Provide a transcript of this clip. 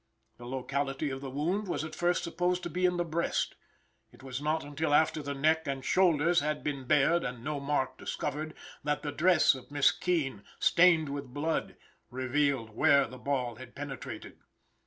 The locality of the wound was at first supposed to be in the breast. It was not until after the neck and shoulders had been bared and no mark discovered, that the dress of Miss Keene, stained with blood, revealed where the ball had penetrated.